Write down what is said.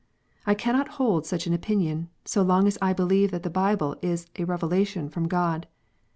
I cannot hold such an opinion, so long as I believe that the Bible is a revela tion from God.